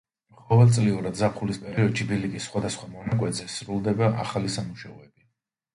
ყოველწლიურად ზაფხულის პერიოდში ბილიკის სხვადასხვა მონაკვეთზე სრულდება ახალი სამუშაოები.